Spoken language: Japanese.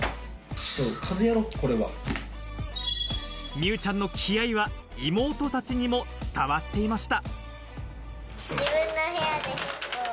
美羽ちゃんの気合いは妹たちにも伝わっていました。